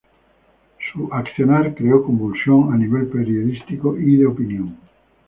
Su accionar creó convulsión a nivel periodístico y de opinión.